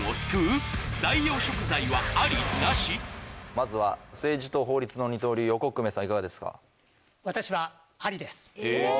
まずは政治と法律の二刀流横粂さんいかがですか？